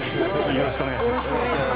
よろしくお願いします。